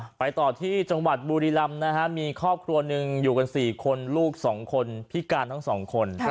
อ่าไปต่อที่จังหวัดบูริรัมนะฮะมีครอบครัวหนึ่งอยู่กัน๔คนลูก๒คนพิการทั้ง๒คน